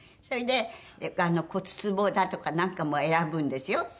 それで骨つぼだとかなんかも選ぶんですよ。